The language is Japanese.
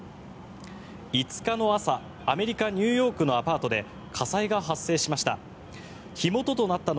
５日の朝、アメリカ・ニューヨークのアパートで火災が発生しました。